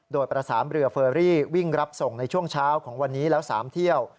โดยประสานเรือเฟอรี่วิ่งรับส่งในช่วงเช้าของวันนี้แล้ว๓เที่ยว